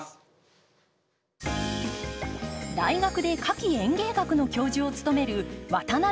大学で花き園芸学の教授を務める渡辺均さん。